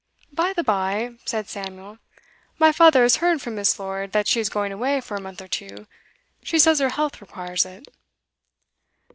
'By the bye,' said Samuel, 'my father has heard from Miss. Lord that she is going away for a month or two. She says her health requires it.